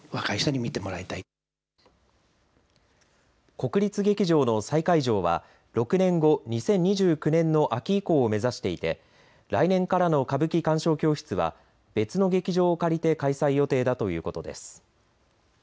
国立劇場の再開場は６年後、２０２９年の秋以降を目指していて来年からの歌舞伎鑑賞教室は別の劇場を借りて開催予定だということです。